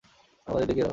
আমাদের দেখিয়ে দাও।